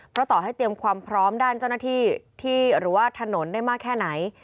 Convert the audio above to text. เพราะต่อให้เตรียมความพร้อมด้านเจ้าหน้าที่ที่หรือว่าถนนได้มากแค่ไหน